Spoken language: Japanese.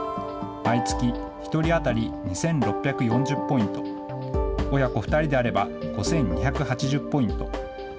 毎月１人当たり２６４０ポイント、親子２人であれば５２８０ポイント。